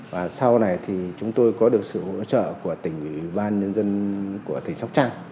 và sau này thì chúng tôi có được sự hỗ trợ của tỉnh ủy ban nhân dân của tỉnh sóc trăng